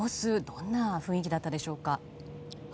どんな雰囲気だったでしょうか。